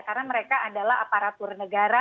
karena mereka adalah aparatur negara